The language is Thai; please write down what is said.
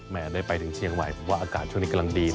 แม่ได้ไปถึงเทียงใหม่เพราะว่าอากาศช่วงนี้กำลังดีเลย